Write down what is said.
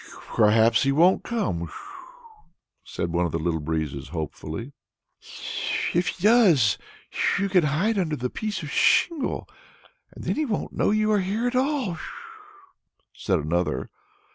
"Perhaps he won't come," said one of the Little Breezes hopefully. "If he does come, you can hide under the piece of shingle, and then he won't know you are here at all," said another.